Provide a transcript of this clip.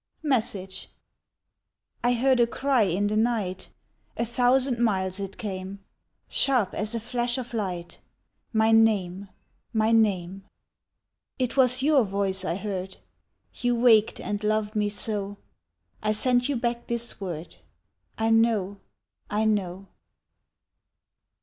Message I heard a cry in the night, A thousand miles it came, Sharp as a flash of light, My name, my name! It was your voice I heard, You waked and loved me so I send you back this word, I know, I know!